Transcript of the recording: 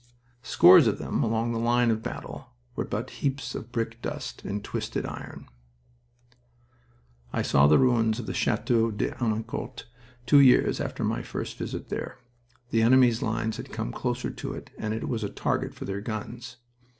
Scores of them along the line of battle were but heaps of brick dust and twisted iron. I saw the ruins of the Chateau de Henencourt two years after my first visit there. The enemy's line had come closer to it and it was a target for their guns.